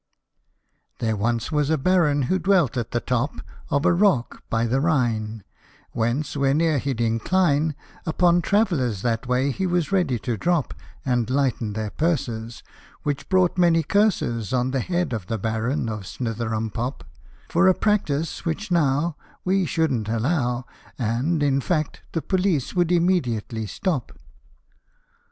56 CINDERELLA. once was a Baron who dwelt at the top Of a rock by the Rhine, Whence, whene'er he 'd incline, Upon travellers that way he was ready to drop, And lighten their purses Which brought many curses On the head of the Baron of Snitherumpopp For a practice, which now We shouldn't allow, And, in fact, the police would immediately stop.